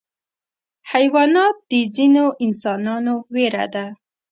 حیوانات د ځینو انسانانو ویره ده.